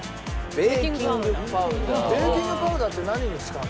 ベーキングパウダーって何に使うの？